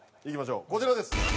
いきましょうこちらです。